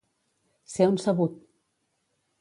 Ser un sabut.